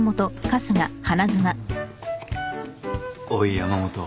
おい山本